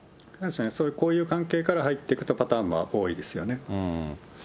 そういう交友関係から入っていくというパターンが多いですよね。